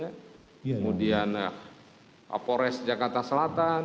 kemudian apores jakarta selatan